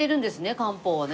漢方をね。